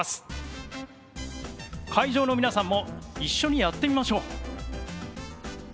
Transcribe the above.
会場の皆さんも一緒にやってみましょう。